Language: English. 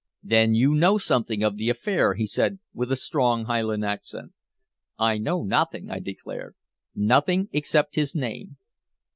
"Then you know something of the affair?" he said, with a strong Highland accent. "I know nothing," I declared. "Nothing except his name."